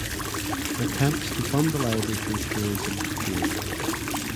Attempts to fund the library through tourism failed.